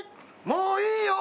もういいよ。